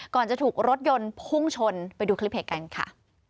ก่อนจะถูกรถยนต์พุ่งชนไปดูคลิปเหตุการณ์ค่ะ